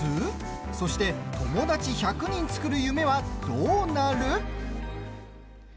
そして、友達１００人作る夢はどうなる？